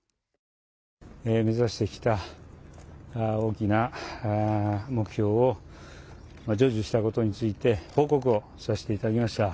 目指してきた大きな目標、成就したことについて、報告をさせていただきました。